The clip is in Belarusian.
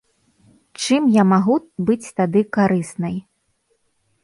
Чым я магу быць тады карыснай?